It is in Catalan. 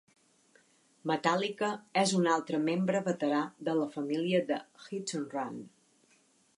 Metallica és un altre membre veterà de la família de Hit and Run.